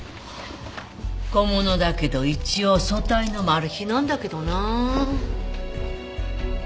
小物だけど一応組対のマルヒなんだけどなあ。